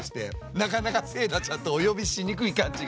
なかなか「セーラちゃん」とお呼びしにくい感じが。